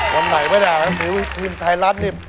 วันไหนไม่ได้นะสีวิทีมไทยรัฐนี่